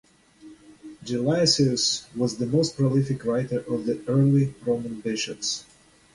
Gelasius was the most prolific writer of the early Roman bishops.